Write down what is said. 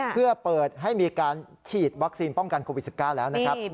เพื่อเปิดให้มีการฉีดวัคซีนป้องกันโควิด๑๙แล้วนะครับ